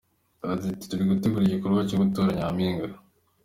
Yagize ati :"Turi gutegura igikorwa cyo gutora nyampinga.